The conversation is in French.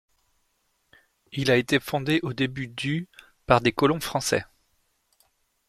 Il a été fondé au début du par des colons français.